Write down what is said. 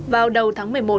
vào đầu tháng một mươi một